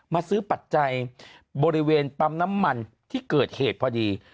ซื้อปัจจัยบริเวณปั๊มน้ำมันที่เกิดเหตุพอดี